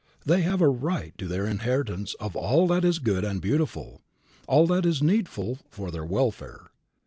They have a right to their inheritance of all that is good and beautiful, all that is needful for their welfare.